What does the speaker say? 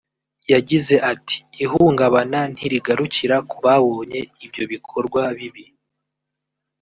yagize ati “Ihungabana ntirigarukira ku babonye ibyo bikorwa bibi